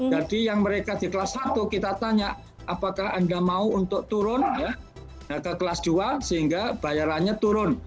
jadi yang mereka di kelas satu kita tanya apakah anda mau untuk turun ke kelas dua sehingga bayarannya turun